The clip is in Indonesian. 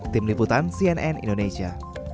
tim liputan cnn indonesia